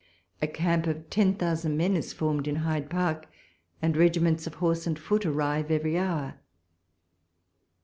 A camp of ten thousand men is formed in Hyde Park, and regiments of horse and foot arrive every hour.